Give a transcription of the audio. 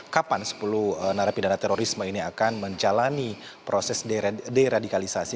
kapan sepuluh narapidana terorisme ini akan menjalani proses deradikalisasi